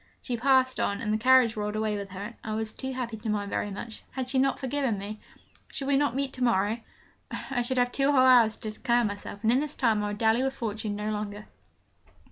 She passed on, and the carriage rolled away with her, and I was too happy to mind very much had she not forgiven me? Should we not meet to morrow? I should have two whole hours to declare myself in, and this time I would dally with Fortune no longer.